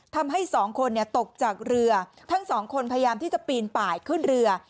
ทำให้สองคนตกจากเรือทั้งสองคนพยายามที่จะปีนป่ายขึ้นเรือ